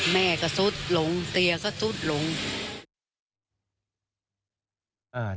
แม่ก็ซุดลงเตียก็ซุดลง